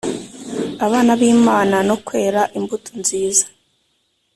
Abana b imana no kwera imbuto nziza